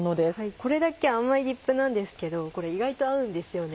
これだけ甘いディップなんですけどこれ意外と合うんですよね。